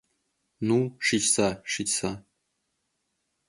Ну, шичса, шичса.